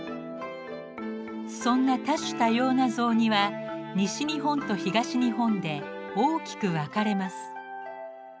そんな多種多様な雑煮は西日本と東日本で大きく分かれます。